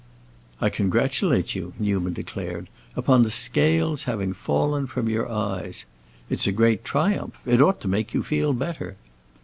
"I congratulate you," Newman declared, "upon the scales having fallen from your eyes. It's a great triumph; it ought to make you feel better."